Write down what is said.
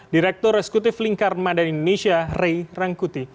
direktur reskutif lingkar madan indonesia ray rangkuti